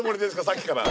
さっきから。